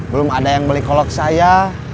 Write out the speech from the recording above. belum ada yang beli kolok saya